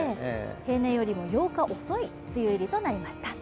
平年よりも８日遅い梅雨入りとなりました。